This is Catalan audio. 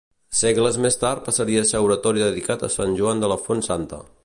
Segles més tard passaria a ser Oratori dedicat a Sant Joan de la Font Santa.